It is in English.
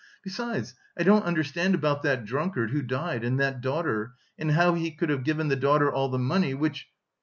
Besides I don't understand about that drunkard who died and that daughter, and how he could have given the daughter all the money... which..."